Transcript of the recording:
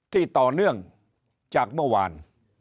ต่อเนื่องจากเมื่อวาน